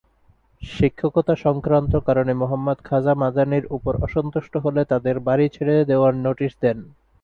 শিক্ষকতা সংক্রান্ত কারণে মুহাম্মদ খাজা মাদানির উপর অসন্তুষ্ট হলে তাদের বাড়ি ছেড়ে দেওয়ার নোটিশ দেন।